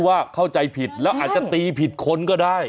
อาจจะตีผิดคนก็ได้